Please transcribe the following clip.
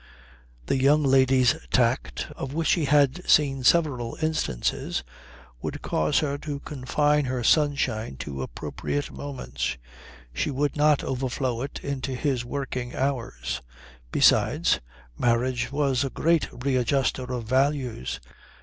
The young lady's tact, of which he had seen several instances, would cause her to confine her sunshine to appropriate moments. She would not overflow it into his working hours. Besides, marriage was a great readjuster of values.